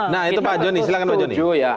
nah itu pak jonny silahkan pak jonny